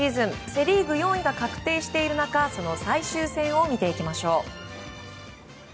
セ・リーグ４位が確定している中その最終戦を見ていきましょう。